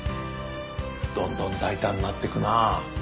どんどん大胆になってくなぁ。